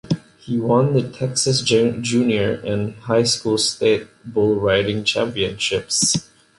He won the Texas junior and high school state bull riding championships.